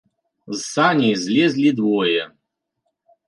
З саней злезлі двое.